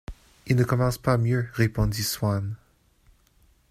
Il ne commence pas mieux, répondit Swann.